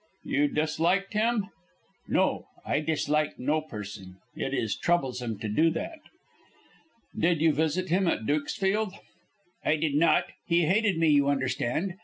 "You disliked him?" "No. I dislike no person. It is troublesome to do that." "Did you visit him at Dukesfield?" "I did not. He hated me, you understand.